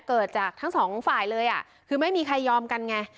เกิดจากทั้งสองฝ่ายเลยอ่ะคือไม่มีใครยอมกันไง